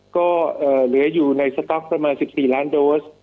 ก็เหลืออยู่ในสต๊อกประมาณ๑๔ล้านโดส